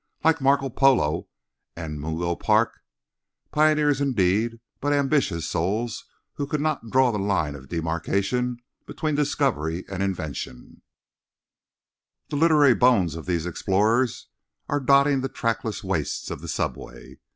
Like Marco Polo and Mungo Park—pioneers indeed, but ambitious souls who could not draw the line of demarcation between discovery and invention—the literary bones of these explorers are dotting the trackless wastes of the subway.